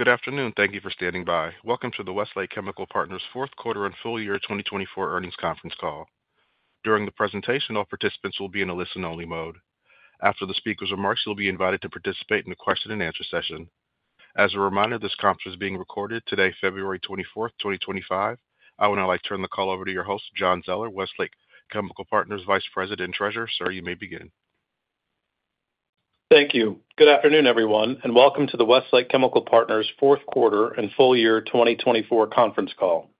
Good afternoon, thank you for standing by. Welcome to the Westlake Chemical Partners' fourth quarter and full year 2024 earnings conference call. During the presentation, all participants will be in a listen-only mode. After the speaker's remarks, you'll be invited to participate in the question-and-answer session. As a reminder, this conference is being recorded today, February 24, 2025. I would now like to turn the call over to your host, John Zoeller, Westlake Chemical Partners Vice President and Treasurer. Sir, you may begin. Thank you. Good afternoon, everyone, and welcome to the Westlake Chemical Partners' fourth quarter and full year 2024 conference call.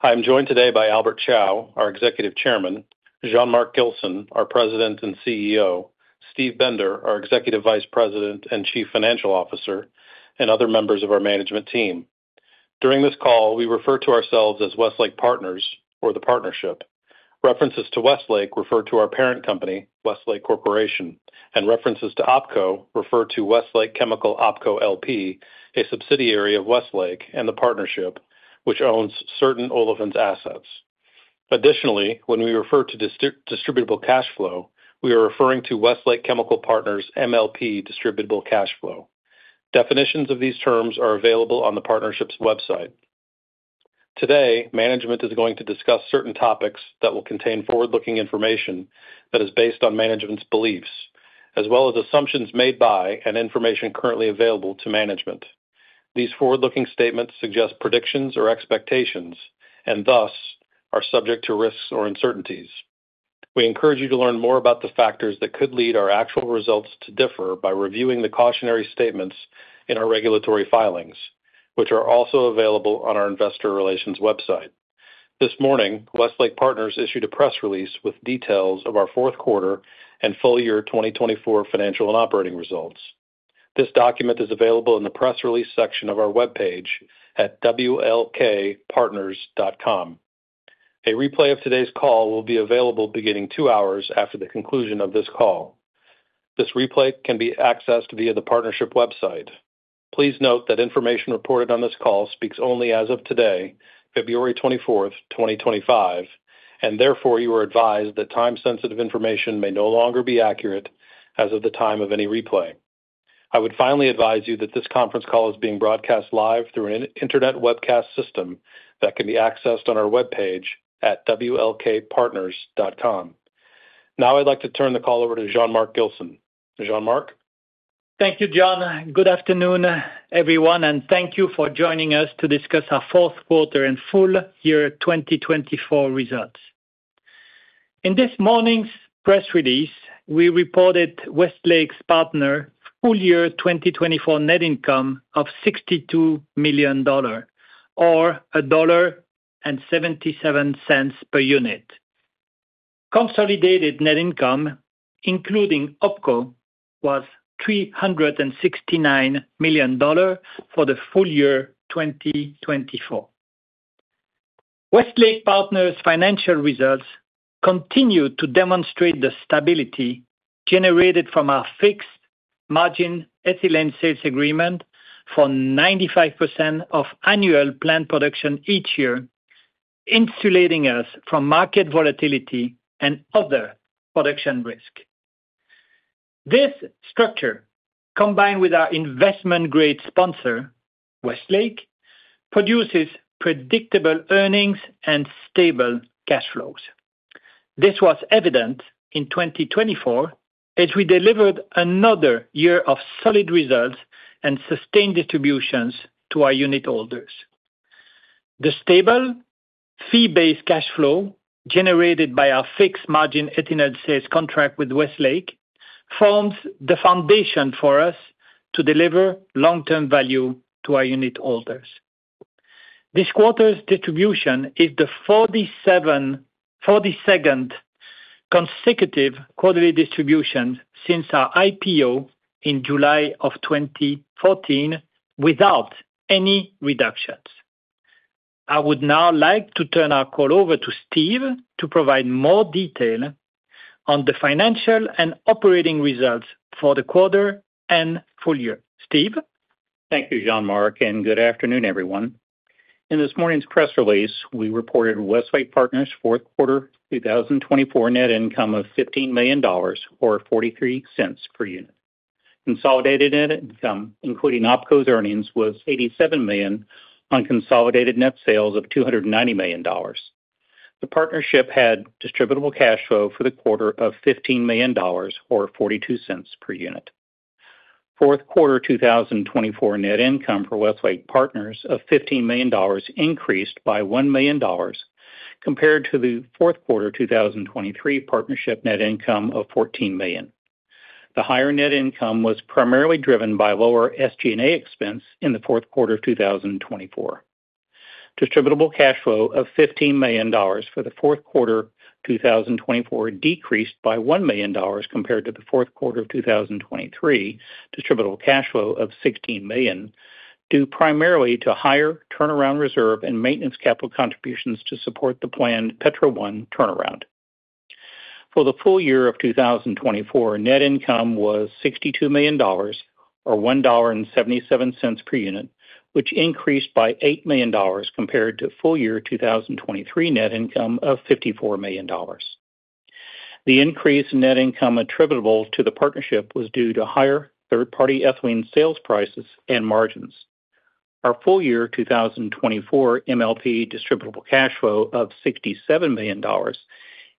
I am joined today by Albert Chao, our Executive Chairman, Jean-Marc Gilson, our President and CEO, Steve Bender, our Executive Vice President and Chief Financial Officer, and other members of our management team. During this call, we refer to ourselves as Westlake Partners or the Partnership. References to Westlake refer to our parent company, Westlake Corporation, and references to OpCo refer to Westlake Chemical OpCo LP, a subsidiary of Westlake and the Partnership, which owns certain olefins assets. Additionally, when we refer to Distributable Cash Flow, we are referring to Westlake Chemical Partners' MLP Distributable Cash Flow. Definitions of these terms are available on the Partnership's website. Today, management is going to discuss certain topics that will contain forward-looking information that is based on management's beliefs, as well as assumptions made by and information currently available to management. These forward-looking statements suggest predictions or expectations and thus are subject to risks or uncertainties. We encourage you to learn more about the factors that could lead our actual results to differ by reviewing the cautionary statements in our regulatory filings, which are also available on our Investor Relations website. This morning, Westlake Chemical Partners issued a press release with details of our fourth quarter and full year 2024 financial and operating results. This document is available in the press release section of our web page at wlkpartners.com. A replay of today's call will be available beginning two hours after the conclusion of this call. This replay can be accessed via the Partnership website. Please note that information reported on this call speaks only as of today, February 24, 2025, and therefore you are advised that time-sensitive information may no longer be accurate as of the time of any replay. I would finally advise you that this conference call is being broadcast live through an internet webcast system that can be accessed on our web page at wlkpartners.com. Now I'd like to turn the call over to Jean-Marc Gilson. Jean-Marc. Thank you, John. Good afternoon, everyone, and thank you for joining us to discuss our fourth quarter and full year 2024 results. In this morning's press release, we reported Westlake Partners' full year 2024 net income of $62 million or $1.77 per unit. Consolidated net income, including OpCo, was $369 million for the full year 2024. Westlake Partners' financial results continue to demonstrate the stability generated from our fixed margin ethylene sales agreement for 95% of annual planned production each year, insulating us from market volatility and other production risk. This structure, combined with our investment-grade sponsor, Westlake, produces predictable earnings and stable cash flows. This was evident in 2024 as we delivered another year of solid results and sustained distributions to our unit holders. The stable fee-based cash flow generated by our fixed margin external sales contract with Westlake forms the foundation for us to deliver long-term value to our unit holders. This quarter's distribution is the 42nd consecutive quarterly distribution since our IPO in July of 2014 without any reductions. I would now like to turn our call over to Steve to provide more detail on the financial and operating results for the quarter and full year. Steve? Thank you, Jean-Marc, and good afternoon, everyone. In this morning's press release, we reported Westlake Partners' fourth quarter 2024 net income of $15 million or $0.43 per unit. Consolidated net income, including OpCo's earnings, was $87 million on consolidated net sales of $290 million. The Partnership had distributable cash flow for the quarter of $15 million or $0.42 per unit. Fourth quarter 2024 net income for Westlake Partners of $15 million increased by $1 million compared to the fourth quarter 2023 Partnership net income of $14 million. The higher net income was primarily driven by lower SG&A expense in the fourth quarter of 2024. Distributable cash flow of $15 million for the fourth quarter 2024 decreased by $1 million compared to the fourth quarter of 2023 distributable cash flow of $16 million due primarily to higher turnaround reserve and maintenance capital contributions to support the planned Petro 1 turnaround. For the full year of 2024, net income was $62 million or $1.77 per unit, which increased by $8 million compared to full year 2023 net income of $54 million. The increase in net income attributable to the Partnership was due to higher third-party ethylene sales prices and margins. Our full year 2024 MLP Distributable Cash Flow of $67 million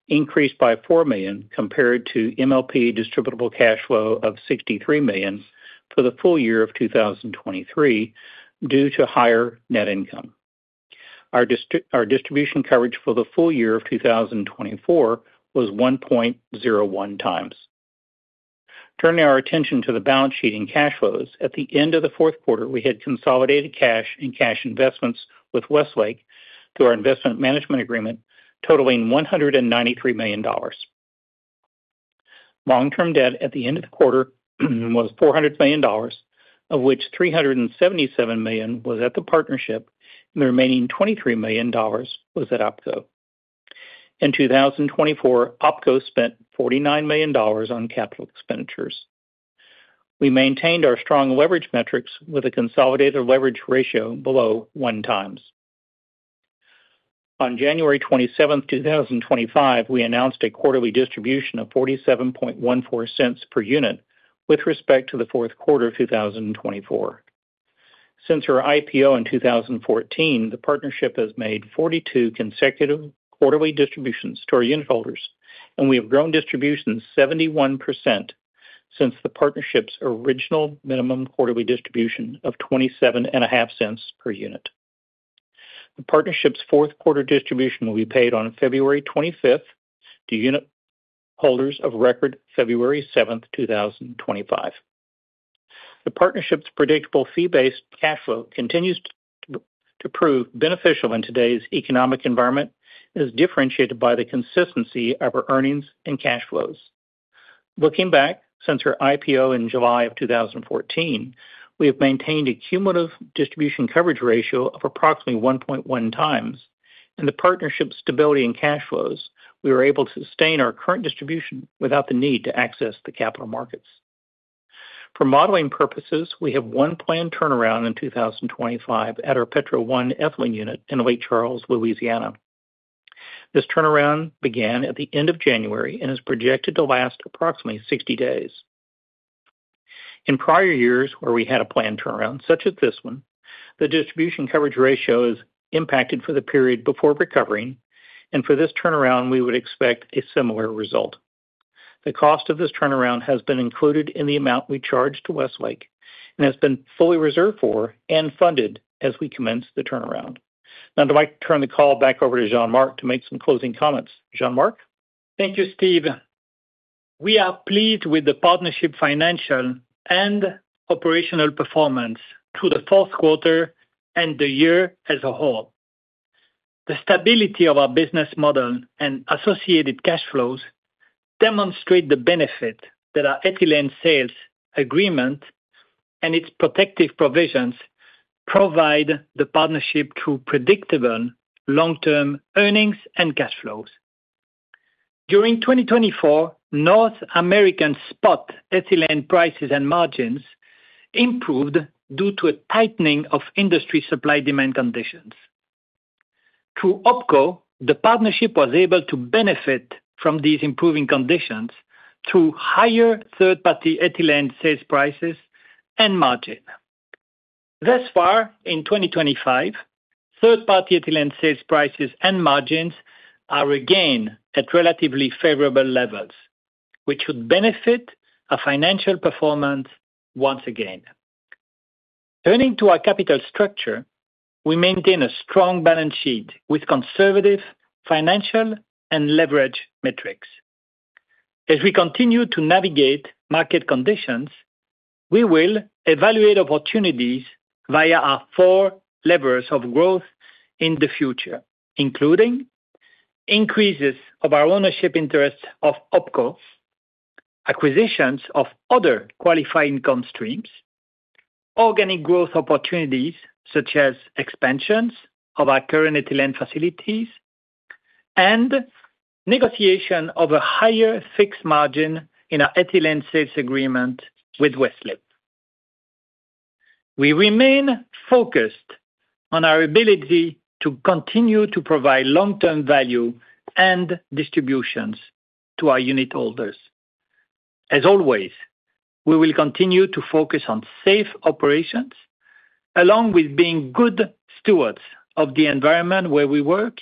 increased by $4 million compared to MLP Distributable Cash Flow of $63 million for the full year of 2023 due to higher net income. Our distribution coverage for the full year of 2024 was 1.01 times. Turning our attention to the balance sheet and cash flows, at the end of the fourth quarter, we had consolidated cash and cash investments with Westlake through our Investment Management Agreement totaling $193 million. Long-term debt at the end of the quarter was $400 million, of which $377 million was at the Partnership and the remaining $23 million was at OpCo. In 2024, OpCo spent $49 million on capital expenditures. We maintained our strong leverage metrics with a consolidated leverage ratio below one times. On January 27, 2025, we announced a quarterly distribution of $47.14 per unit with respect to the fourth quarter of 2024. Since our IPO in 2014, the Partnership has made 42 consecutive quarterly distributions to our unit holders, and we have grown distributions 71% since the Partnership's original minimum quarterly distribution of $0.27 per unit. The Partnership's fourth quarter distribution will be paid on February 25 to unit holders of record February 7, 2025. The Partnership's predictable fee-based cash flow continues to prove beneficial in today's economic environment and is differentiated by the consistency of our earnings and cash flows. Looking back since our IPO in July of 2014, we have maintained a cumulative distribution coverage ratio of approximately 1.1 times, and the Partnership's stability in cash flows, we were able to sustain our current distribution without the need to access the capital markets. For modeling purposes, we have one planned turnaround in 2025 at our Petro 1 ethylene unit in Lake Charles, Louisiana. This turnaround began at the end of January and is projected to last approximately 60 days. In prior years where we had a planned turnaround such as this one, the distribution coverage ratio is impacted for the period before recovering, and for this turnaround, we would expect a similar result. The cost of this turnaround has been included in the amount we charge to Westlake and has been fully reserved for and funded as we commence the turnaround. Now, I'd like to turn the call back over to Jean-Marc to make some closing comments. Jean-Marc? Thank you, Steve. We are pleased with the Partnership's financial and operational performance through the fourth quarter and the year as a whole. The stability of our business model and associated cash flows demonstrate the benefit that our ethylene sales agreement and its protective provisions provide the Partnership through predictable long-term earnings and cash flows. During 2024, North American spot ethylene prices and margins improved due to a tightening of industry supply-demand conditions. Through OpCo, the Partnership was able to benefit from these improving conditions through higher third-party ethylene sales prices and margin. Thus far, in 2025, third-party ethylene sales prices and margins are again at relatively favorable levels, which would benefit our financial performance once again. Turning to our capital structure, we maintain a strong balance sheet with conservative financial and leverage metrics. As we continue to navigate market conditions, we will evaluate opportunities via our four levers of growth in the future, including increases of our ownership interests of OpCo, acquisitions of other qualified income streams, organic growth opportunities such as expansions of our current ethylene facilities, and negotiation of a higher fixed margin in our ethylene sales agreement with Westlake. We remain focused on our ability to continue to provide long-term value and distributions to our unit holders. As always, we will continue to focus on safe operations along with being good stewards of the environment where we work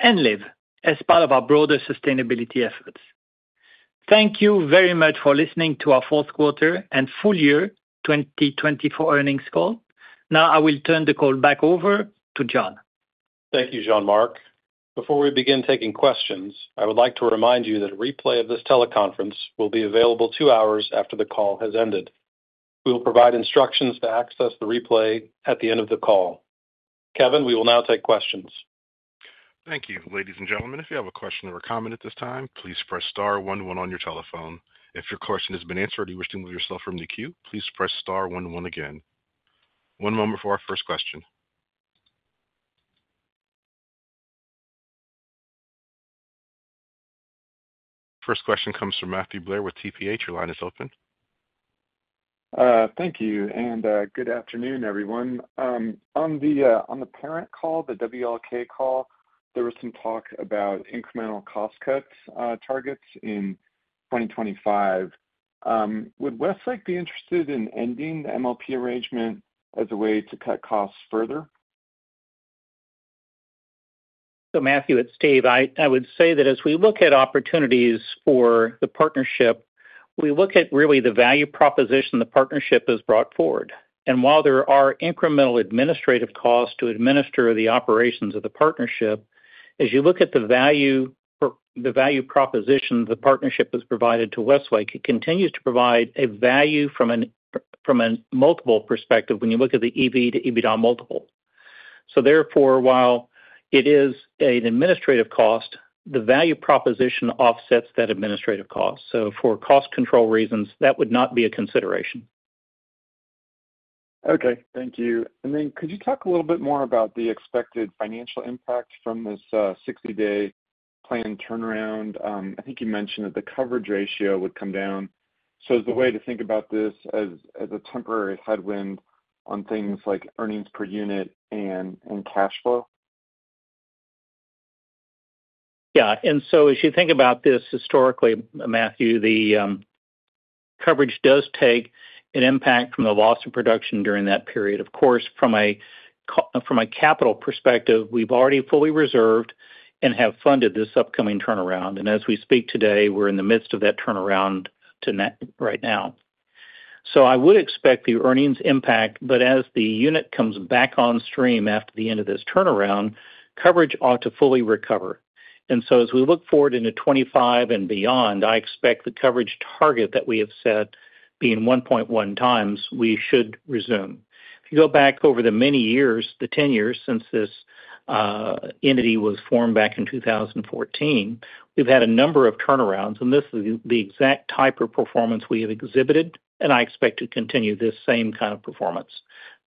and live as part of our broader sustainability efforts. Thank you very much for listening to our fourth quarter and full year 2024 earnings call. Now, I will turn the call back over to John. Thank you, Jean-Marc. Before we begin taking questions, I would like to remind you that a replay of this teleconference will be available two hours after the call has ended. We will provide instructions to access the replay at the end of the call. Kevin, we will now take questions. Thank you, ladies and gentlemen. If you have a question or a comment at this time, please press star 11 on your telephone. If your question has been answered or you wish to move yourself from the queue, please press star 11 again. One moment for our first question. First question comes from Matthew Blair with TPH. Your line is open. Thank you, and good afternoon, everyone. On the parent call, the WLK call, there was some talk about incremental cost cuts targets in 2025. Would Westlake be interested in ending the MLP arrangement as a way to cut costs further? So, Matthew, it's Steve. I would say that as we look at opportunities for the Partnership, we look at really the value proposition the Partnership has brought forward. And while there are incremental administrative costs to administer the operations of the Partnership, as you look at the value proposition the Partnership has provided to Westlake, it continues to provide a value from a multiple perspective when you look at the EV to EBITDA multiple. So, therefore, while it is an administrative cost, the value proposition offsets that administrative cost. So, for cost control reasons, that would not be a consideration. Okay. Thank you. And then could you talk a little bit more about the expected financial impact from this 60-day planned turnaround? I think you mentioned that the coverage ratio would come down. So, is the way to think about this as a temporary headwind on things like earnings per unit and cash flow? Yeah. And so, as you think about this historically, Matthew, the coverage does take an impact from the loss of production during that period. Of course, from a capital perspective, we've already fully reserved and have funded this upcoming turnaround. And as we speak today, we're in the midst of that turnaround right now. So, I would expect the earnings impact, but as the unit comes back on stream after the end of this turnaround, coverage ought to fully recover. And so, as we look forward into 2025 and beyond, I expect the coverage target that we have set being 1.1 times, we should resume. If you go back over the many years, the 10 years since this entity was formed back in 2014, we've had a number of turnarounds, and this is the exact type of performance we have exhibited, and I expect to continue this same kind of performance.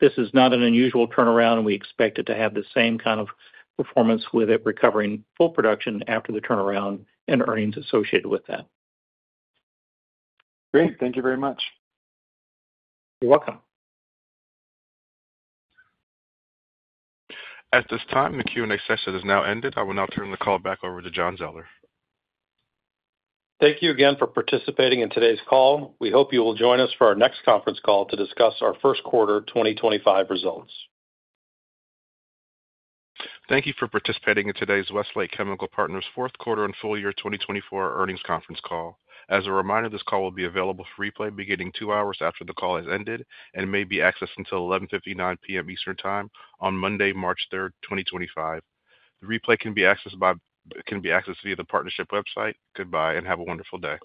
This is not an unusual turnaround, and we expect it to have the same kind of performance with it recovering full production after the turnaround and earnings associated with that. Great. Thank you very much. You're welcome. At this time, the Q&A session has now ended. I will now turn the call back over to John Zoeller. Thank you again for participating in today's call. We hope you will join us for our next conference call to discuss our first quarter 2025 results. Thank you for participating in today's Westlake Chemical Partners' fourth quarter and full year 2024 earnings conference call. As a reminder, this call will be available for replay beginning two hours after the call has ended and may be accessed until 11:59 P.M. Eastern Time on Monday, March 3, 2025. The replay can be accessed via the Partnership website. Goodbye and have a wonderful day.